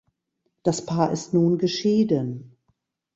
Das Paar ist nun geschieden.